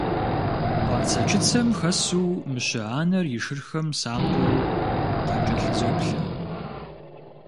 Къуацэ-чыцэм хэсу мыщэ анэр и шырхэм сакъыу къакӀэлъызоплъэ.